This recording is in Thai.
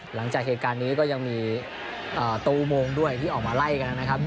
หลังจากเหตุการณ์นี้ก็ยังมีตู้โมงด้วยที่ออกมาไล่กันนะครับ